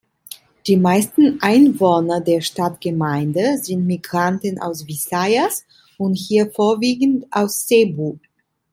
Die meisten Einwohner der Stadtgemeinde sind Migranten aus Visayas und hier vorwiegend aus Cebu.